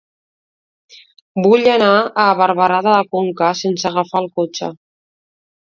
Vull anar a Barberà de la Conca sense agafar el cotxe.